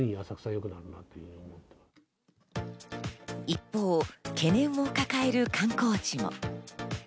一方、懸念を抱える観光地も。